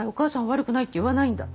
悪くない」って言わないんだ？